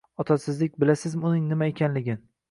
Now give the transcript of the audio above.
Otasizlik, bilasizmi uning nima ekanligin?